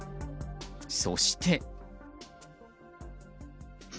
そして。